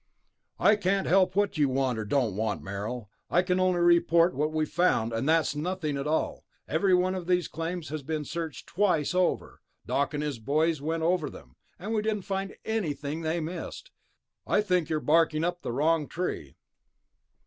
"I can't help what you want or don't want, Merrill, I can only report what we've found, and that's nothing at all. Every one of those claims has been searched twice over. Doc and his boys went over them, and we didn't find anything they missed. I think you're barking up the wrong tree."